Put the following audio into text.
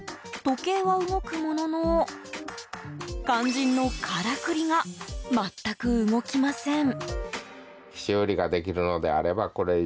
時計は動くものの肝心のからくりが全く動きません。